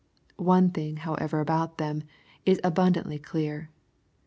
One thing however about them is abundantly clear.